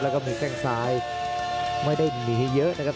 แล้วก็มีแข้งซ้ายไม่ได้หนีเยอะนะครับ